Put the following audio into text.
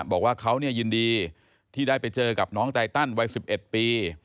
บอกว่าเขายินดีที่ได้ไปเจอกับน้องไตตันวัย๑๑ปี